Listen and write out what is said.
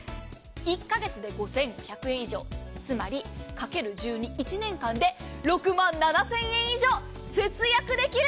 １か月で５５００円以上、つまり、１年間で６万７０００円以上節約できる。